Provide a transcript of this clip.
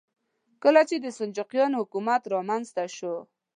کله چې د سلجوقیانو حکومت رامنځته شو.